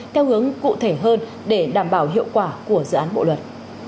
theo hướng cụ thể hơn để đảm bảo hiệu quả của dự án bộ luật